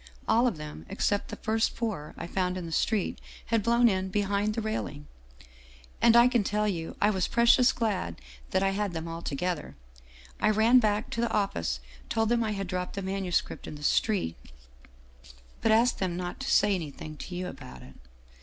All of them, except the first four I found in the street, had blown in behind the rail ing. And I can tell you I was precious glad that I had them all together. I ran back to the office, told them I had dropped the manuscript in the street, but asked them 269 Scandinavian Mystery Stories not to say anything to you about it.